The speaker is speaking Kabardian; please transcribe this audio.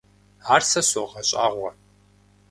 Ар сэ согъэщӏагъуэ.